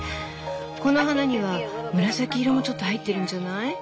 この花には紫色もちょっと入ってるんじゃない？